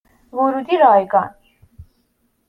ورودی رایگان